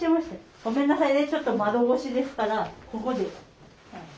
ごめんなさいねちょっと窓越しですからここで。